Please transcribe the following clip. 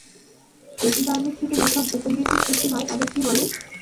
Epidermis থেকে যেসব উপবৃদ্ধি সৃষ্টি হয় তাদের কী বলে?